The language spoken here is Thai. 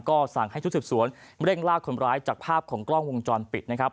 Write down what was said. ก็สั่งให้ชุดสืบสวนเร่งลากคนร้ายจากภาพของกล้องวงจรปิดนะครับ